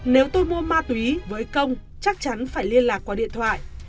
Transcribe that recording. nếu tôi mua ma túy với công chắc chắn phải liên lạc qua điện thoại